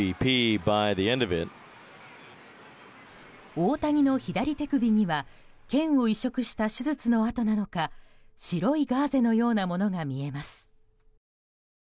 大谷の左手首には腱を移植した手術の痕なのか白いガーゼのようなものが見えます。